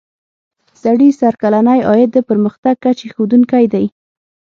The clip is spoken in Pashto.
سړي سر کلنی عاید د پرمختګ کچې ښودونکی دی.